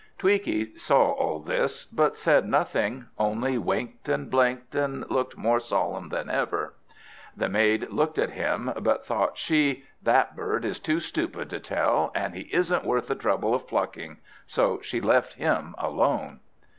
Tweaky saw all this, but said nothing, only winked and blinked, and looked more solemn than ever. The maid looked at him, but thought she, "That bird is too stupid to tell, and he isn't worth the trouble of plucking." So she left him alone.